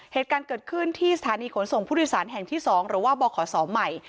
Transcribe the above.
เหตุการณ์เกิดขึ้นที่สถานีขนส่งผู้โดยสารแห่งที่๒หรือว่าบขศใหม่